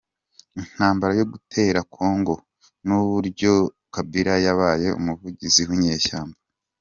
Intambara yo Gutera Congo nuburyo Kabila yabaye umuvugizi w’inyeshyamba.